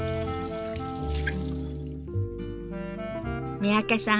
三宅さん